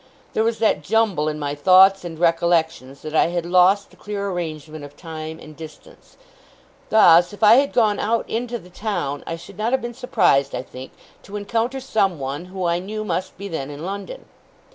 There was that jumble in my thoughts and recollections, that I had lost the clear arrangement of time and distance. Thus, if I had gone out into the town, I should not have been surprised, I think, to encounter someone who I knew must be then in London.